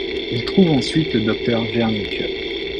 Il trouve ensuite le docteur Wernicke.